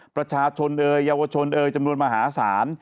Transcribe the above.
ประชาชนเอ่ยเยาวชนเอ่ยจำนวนมหาศาล